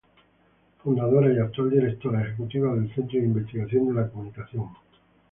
Fundadora y actual Directora Ejecutiva del Centro de Investigación de la Comunicación.